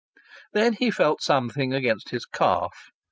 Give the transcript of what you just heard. Then he felt something against his calf.